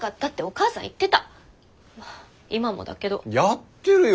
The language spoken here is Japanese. やってるよ！